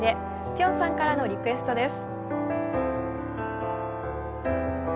ぴょんさんからのリクエストです。